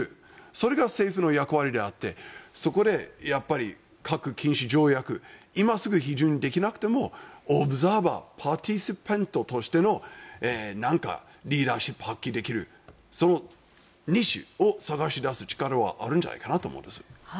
それが政府の役割であってそこで核禁止条約今すぐ批准できなくてもオブザーバーとしての何かリーダーシップを発揮できるイシューを探し出す力はあるんじゃないかと思うんです。